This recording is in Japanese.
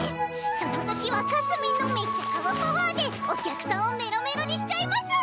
その時はかすみんのめちゃかわパワーでお客さんをめろめろにしちゃいます！